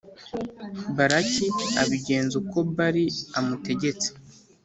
Balaki abigenza uko Bali amutegetse